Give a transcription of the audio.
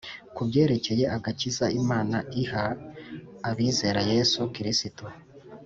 kubyerekeye agakiza Imana iha abizera Yesu Kristo.